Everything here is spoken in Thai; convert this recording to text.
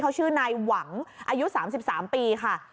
เขาชื่อนายหวังอายุ๓๓ปีค่ะ